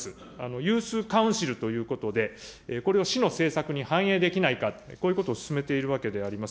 ユースカウンシルということで、これを市の政策に反映できないか、こういうことを進めているわけであります。